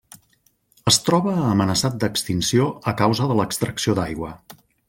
Es troba amenaçat d'extinció a causa de l'extracció d'aigua.